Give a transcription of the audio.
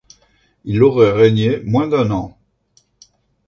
Il aurait régné moins d'un an.